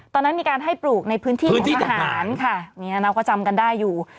ตอนนั้นมีการให้ปลูกในพื้นที่ของทหารค่ะเนี่ยเราก็จำกันได้อยู่